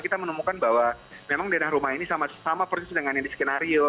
kita menemukan bahwa memang daerah rumah ini sama persis dengan yang di skenario